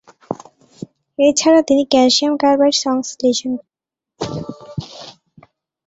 এছাড়া তিনি calcium carbide সংশ্লেষণ করেন।